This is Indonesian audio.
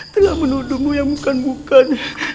tengah menuduhmu yang bukan bukan